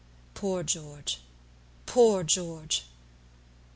"Poor George! poor George!"